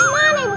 ini puasa bu